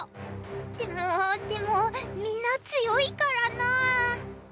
でもでもみんな強いからな。